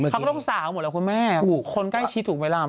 เขาก็ต้องสาวแม่คนใกล้ชิดถูกเวลา